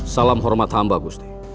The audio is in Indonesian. salam hormat hamba gusti